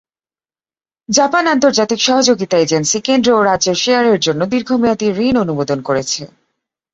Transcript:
Japan আন্তর্জাতিক সহযোগিতা agency কেন্দ্র ও রাজ্যের শেয়ারের জন্য দীর্ঘমেয়াদী ঋণ অনুমোদন করেছে।